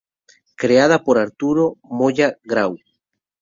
Creada por Arturo Moya Grau.